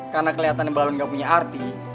karena keliatan balon gak punya arti